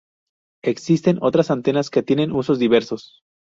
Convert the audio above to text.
Existen otras antenas que tienen usos diversos.